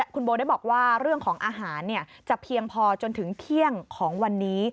คุณโบได้บอกว่าเรื่องของอาหารจะเพียงพอจนถึงเที่ยงของวันนี้